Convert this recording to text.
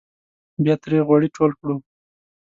بیا ترې غوړي ټول کړو.